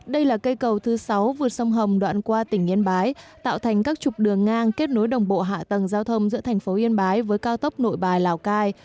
đây là cây cầu thứ sáu vượt sông hồng đoạn qua tỉnh yên bái tạo thành các chục đường ngang kết nối đồng bộ hạ tầng giao thông giữa thành phố yên bái với cao tốc nội bài lào cai